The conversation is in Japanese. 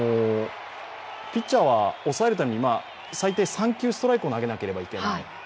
ピッチャーは抑えるために最低３球ストライクを投げなきゃいけない。